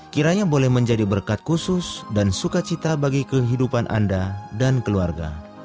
kiranya boleh menjadi berkat khusus dan sukacita bagi kehidupan anda dan keluarga